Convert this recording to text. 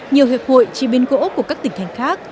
nhiều hợp hội chí biên gỗ của các tỉnh thành khác